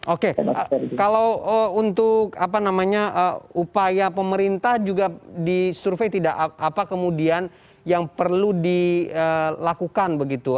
oke kalau untuk apa namanya upaya pemerintah juga disurvey tidak apa kemudian yang perlu dilakukan begitu